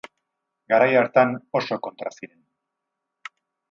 Garai hartan oso kontra ziren.